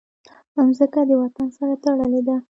مځکه د وطن سره تړلې ده.